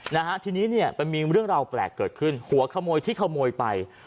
นะฮะทีนี้เนี่ยมันมีเรื่องราวแปลกเกิดขึ้นหัวขโมยที่ขโมยไป